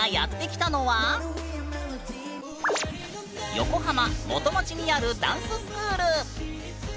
横浜元町にあるダンススクール！